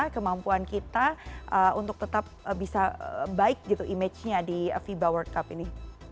kemampuan kita untuk tetap bisa baik imajinya di fiba world cup ini